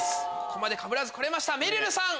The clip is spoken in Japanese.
ここまでかぶらず来れましためるるさん